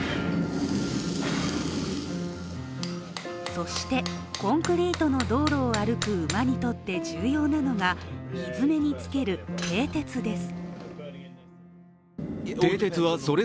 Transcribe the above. そして、コンクリートの道路を歩く馬にとって重要なのがひづめにつけるてい鉄です。